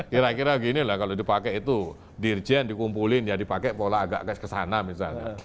kira kira gini lah kalau dipakai itu dirjen dikumpulin ya dipakai pola agak kesana misalnya